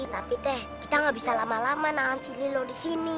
tapi teh kita gak bisa lama lama nahan si lilo di sini